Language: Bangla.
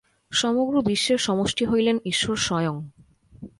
সমগ্র বিশ্বের সমষ্টি হইলেন ঈশ্বর স্বয়ং।